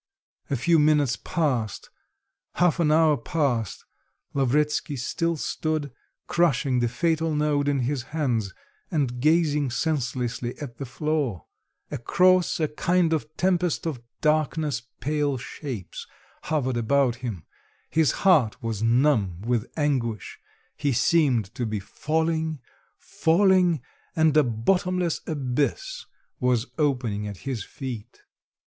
A few minutes passed, half an hour passed, Lavretsky still stood, crushing the fatal note in his hands, and gazing senselessly at the floor; across a kind of tempest of darkness pale shapes hovered about him; his heart was numb with anguish; he seemed to be falling, falling and a bottomless abyss was opening at his feet.